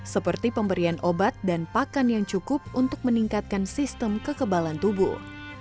seperti pemberian obat dan pakan yang cukup untuk meningkatkan sistem kekebalan tubuh